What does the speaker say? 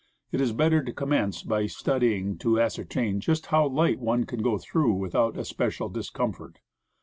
It is better to commence by studying to ascer tain just how light one can go through without especial discomfort.